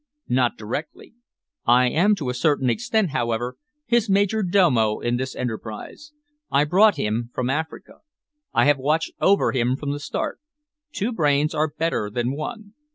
"Not directly. I am to a certain extent, however, his major domo in this enterprise. I brought him from Africa. I have watched over him from the start. Two brains are better than one.